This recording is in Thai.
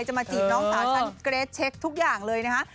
มาจีบน้องสาวฉันเกรทเช็คทุกอย่างเลยนะฮะ